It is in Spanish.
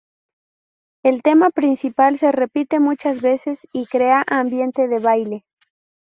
El tema principal se repite muchas veces y crea ambiente de baile.